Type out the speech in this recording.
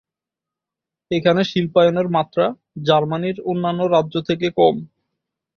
এখানে শিল্পায়নের মাত্রা জার্মানির অন্যান্য রাজ্য থেকে কম।